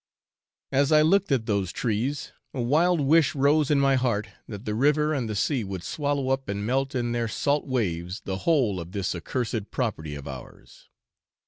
As I looked at those trees a wild wish rose in my heart that the river and the sea would swallow up and melt in their salt waves the whole of this accursed property of ours.